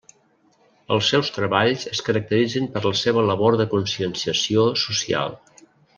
Els seus treballs es caracteritzen per la seva labor de conscienciació social.